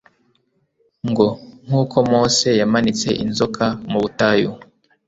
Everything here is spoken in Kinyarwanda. ngo : "Nk'uko Mose yamanitse inzoka mu butayu,